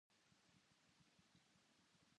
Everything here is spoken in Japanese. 私はサッカーが好きです。